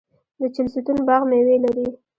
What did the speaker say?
د چهلستون باغ میوې لري.